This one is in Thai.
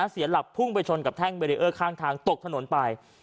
เสียหลักพุ่งไปชนกับแท่งเบรีเออร์ข้างทางตกถนนไป